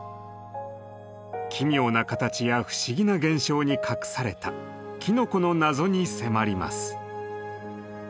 奇妙な形や不思議な現象に隠されたきのこの謎に迫ります。